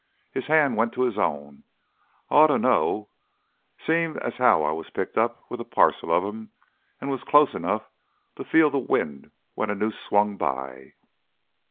His hand went to his own. "I oughta know, seem' as how I was picked up with a parcel of 'em an' was close 'nough to feel th' wind when a noose swung by.